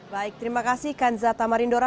baik terima kasih kanza tamarindora